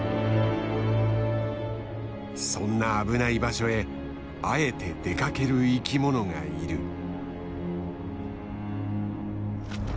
そんな危ない場所へあえて出かける生きものがいる。